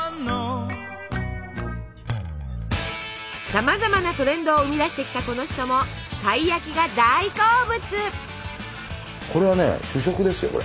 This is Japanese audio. さまざまなトレンドを生み出してきたこの人もたい焼きが大好物！